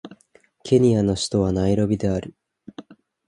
ケニアの首都はナイロビである